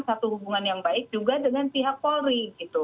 satu hubungan yang baik juga dengan pihak polri